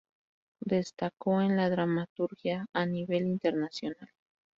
Destacó en la dramaturgia a nivel internacional.